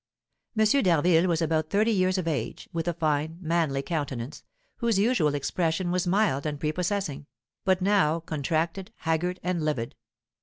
M. d'Harville was about thirty years of age, with a fine, manly countenance, whose usual expression was mild and prepossessing, but now contracted, haggard, and livid.